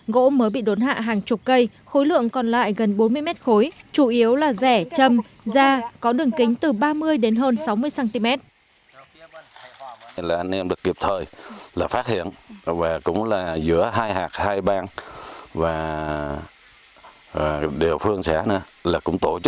gỗ mới bị đốn hạ hàng chục cây khối lượng còn lại gần bốn mươi mét khối chủ yếu là rẻ châm da có đường kính từ ba mươi đến hơn sáu mươi cm